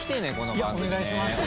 いやお願いします。